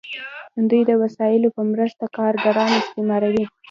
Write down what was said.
دوی د وسایلو په مرسته کارګران استثماروي.